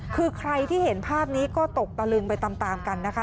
คือใครที่เห็นภาพนี้ก็ตกตะลึงไปตามกันนะคะ